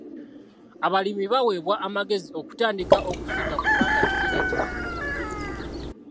Abalimi baaweebwa amagezi okutandika okusiga kubanga kiseera kya nkuba.